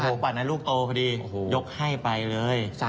โอ้โหบัตรนั้นลูกโตพอดียกให้ไปเลย